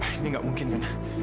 enggak ini enggak mungkin nia